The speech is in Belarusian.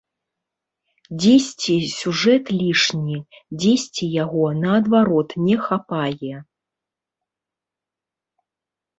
Дзесьці сюжэт лішні, дзесьці яго наадварот не хапае.